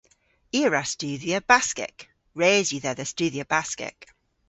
I a wra studhya Baskek. Res yw dhedha studhya Baskek.